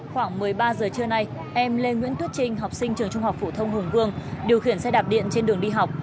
khoảng một mươi ba giờ trưa nay em lê nguyễn tuyết trinh học sinh trường trung học phổ thông hùng vương điều khiển xe đạp điện trên đường đi học